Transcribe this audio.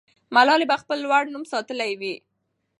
ملالۍ به خپل لوړ نوم ساتلی وي.